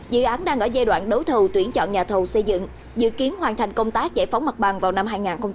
dự án đang ở giai đoạn đấu thầu tuyển chọn nhà thầu xây dựng dự kiến hoàn thành công tác giải phóng mặt bằng vào năm hai nghìn hai mươi năm